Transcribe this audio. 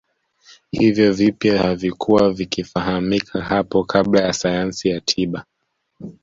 Hivyo vipya havikuwa vikifahamika hapo kabla na sayansi ya tiba